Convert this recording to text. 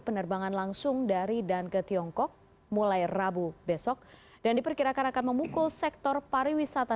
pemerintah juga menghentikan promosi wisata